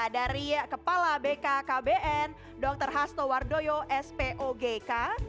dari kepala bkkbn dr hasto wardoyo spogk